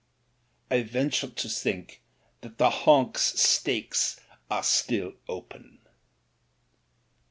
"I venture to think that the Honks stakes are still open."